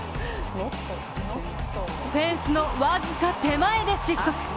フェンスの僅か手前で失速。